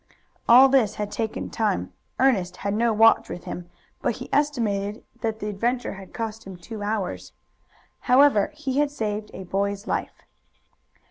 All this had taken time. Ernest had no watch with him, but he estimated that the adventure had cost him two hours. However, he had saved a boy's life.